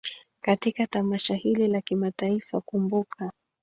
katika tamasha hili la kimataifa kumbuka